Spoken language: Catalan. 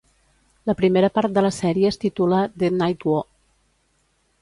La primera part de la sèrie es titula "The Knight Who".